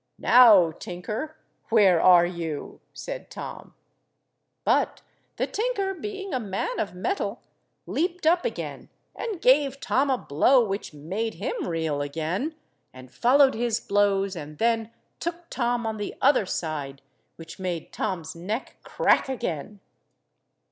"Now, tinker, where are you?" said Tom. But the tinker, being a man of metal, leaped up again, and gave Tom a blow which made him reel again, and followed his blows, and then took Tom on the other side, which made Tom's neck crack again.